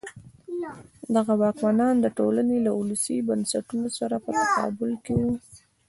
دغه واکمنان د ټولنې له ولسي بنسټونو سره په تقابل کې وو.